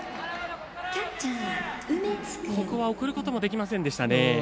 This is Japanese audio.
ここは送ることもできませんでした。